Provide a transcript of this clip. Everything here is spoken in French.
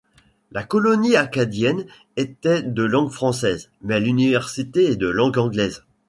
La colonie acadienne était de langue française, mais l'université est de langue anglaise.